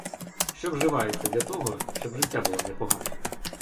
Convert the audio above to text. Що вживається для того, щоб життя було не погане?